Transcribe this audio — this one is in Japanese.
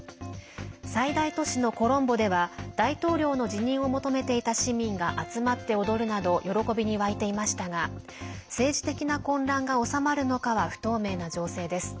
最大都市のコロンボでは大統領の辞任を求めていた市民が集まって踊るなど喜びに沸いていましたが政治的な混乱が収まるのかは不透明な情勢です。